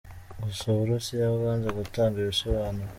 Gusa u Burusiya bwanze gutanga ibisobanuro.